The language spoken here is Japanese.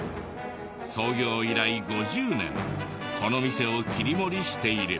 創業以来５０年この店を切り盛りしている。